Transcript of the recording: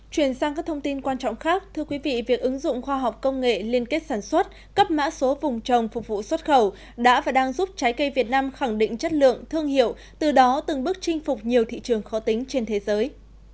chuyển sang các thông tin quan trọng khác thưa quý vị việc ứng dụng khoa học công nghệ liên kết sản xuất cấp mã số vùng trồng phục vụ xuất khẩu đã và đang giúp trái cây việt nam khẳng định chất lượng thương hiệu từ đó từng bước chinh phục nhiều thị trường khó tính trên thế giới